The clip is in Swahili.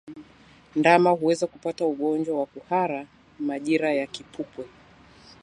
Ndama huweza kupata ugonjwa wa kuhara majira ya kipupwe